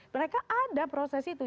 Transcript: mereka ada proses itu